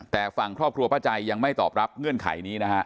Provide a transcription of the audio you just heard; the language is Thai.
แต่ฝั่งครอบครัวป้าใจยังไม่ตอบรับเงื่อนไขนี้นะฮะ